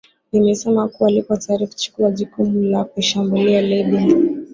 limesema kuwa lipo tayari kuchukua jukumu la kuishambulia libya